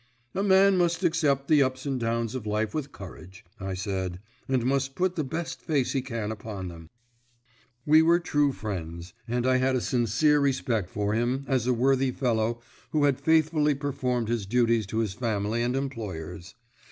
"A man must accept the ups and downs of life with courage," I said, "and must put the best face he can upon them." We were true friends, and I had a sincere respect for him as a worthy fellow who had faithfully performed his duties to his family and employers.